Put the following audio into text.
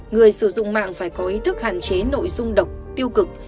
người sử dụng mạng phải có ý thức hạn chế nội dung độc tiêu cực